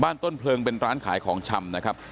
ต้นเพลิงเป็นร้านขายของชำนะครับ